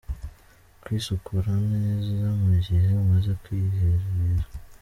Kwisukura neza mu gihe umaze kwiherera.